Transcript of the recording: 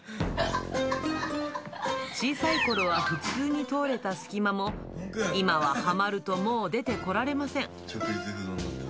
小さいころは普通に通れた隙間も、今ははまるともう出てこられません。